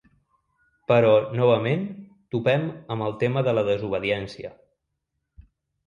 Però, novament, topem amb el tema de la desobediència.